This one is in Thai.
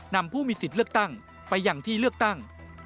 นำผู้มีสิทธิ์เลือกตั้งไปอย่างที่เลือกตั้ง